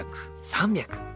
３００。